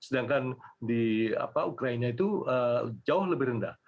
dan di ukraina itu jauh lebih rendah